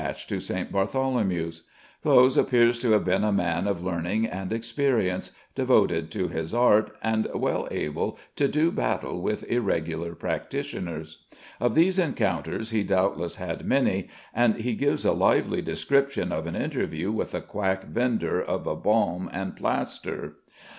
Clowes appears to have been a man of learning and experience, devoted to his art, and well able to do battle with irregular practitioners. Of these encounters he doubtless had many, and he gives a lively description of an interview with a quack vendor of a balm and plaster.